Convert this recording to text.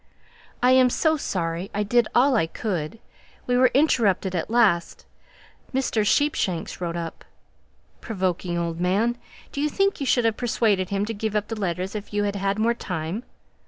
"I am so sorry; I did all I could; we were interrupted at last Mr. Sheepshanks rode up." "Provoking old man! Do you think you should have persuaded him to give up the letters if you had had more time?"